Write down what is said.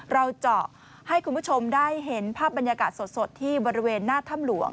เราเจาะให้คุณผู้ชมได้เห็นภาพบรรยากาศสดที่บริเวณหน้าถ้ำหลวง